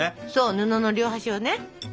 布の両端をね